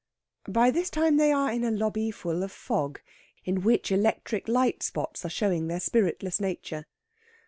By this time they are in a lobby full of fog, in which electric light spots are showing their spiritless nature.